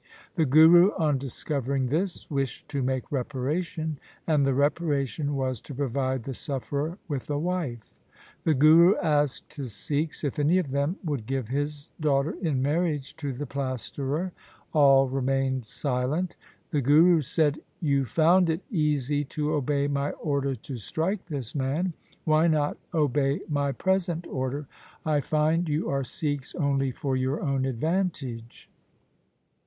The Guru on discovering this wished to make reparation, and the reparation was to provide the sufferer with a wife. The Guru asked his Sikhs if any of them would give his daughter in marriage to the plasterer. All remained silent. The Guru said, ' You found it easy to obey my order to strike this man. Why not obey my present order ? I find you are Sikhs only for your own advantage.'